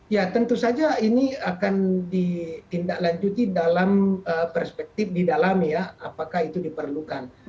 ya tentu saja ini akan ditindaklanjuti dalam perspektif didalami ya apakah itu diperlukan